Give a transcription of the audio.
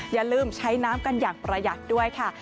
อย่าลืมใช้น้ำกันอย่างประหยัดด้วยค่ะ